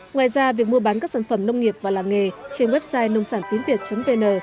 ngoài ra việc mua bán các sản phẩm nông nghiệp và làng nghề trên website nông sản tiến việt vn